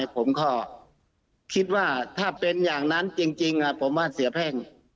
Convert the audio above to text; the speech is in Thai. ผมก็คิดว่าถ้าเป็นอย่างนั้นจริงผมว่าเสียแพ่ง